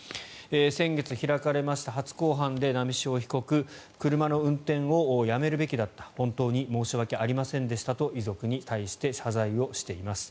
先月開かれました初公判で波汐被告車の運転をやめるべきだった本当に申し訳ありませんでしたと遺族に対して謝罪しています。